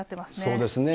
そうですね。